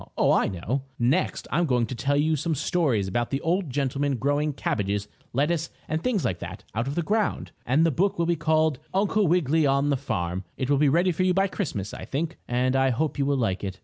Oh, I know. Next I'm going to tell you some stories about the old gentleman growing cabbages, lettuce and things like that out of the ground, and the book will be called "Uncle Wiggily on The Farm." It will be ready for you by Christmas, I think, and I hope you will like it.